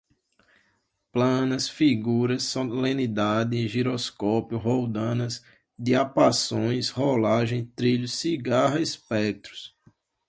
planas, figuras, solenoide, giroscópio, roldanas, diapasões, rolagem, trilho, cigarra, espectros